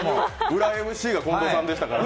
裏ＭＣが近藤さんでしたからね。